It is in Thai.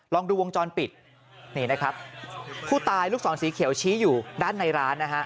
ลองดูวงจรปิดนี่นะครับผู้ตายลูกศรสีเขียวชี้อยู่ด้านในร้านนะฮะ